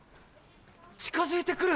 近づいて来る。